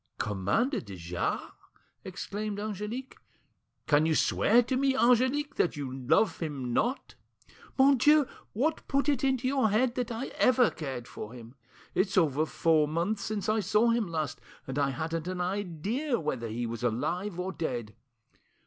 "Commander de Jars!" exclaimed Angelique. "Can you swear to me, Angelique, that you love him not?" "Mon Dieu! What put it into your head that I ever cared for him? It's over four months since I saw him last, and I hadn't an idea whether he was alive or dead.